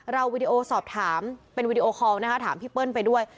วีดีโอสอบถามเป็นวีดีโอคอลนะคะถามพี่เปิ้ลไปด้วย